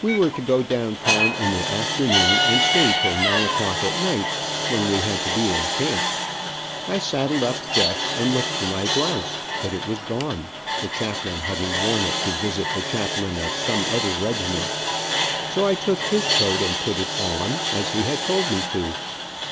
We were to go down town in the afternoon and stay till nine o clock at night, when we had to be in camp. I saddled up Jeff and looked for my blouse, but it was gone, the chaplain having worn it to visit the chaplain of some other regiment, so I took his coat and put it on, as he had told me to.